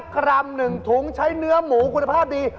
กรัม๑ถุงใช้เนื้อหมูคุณภาพดี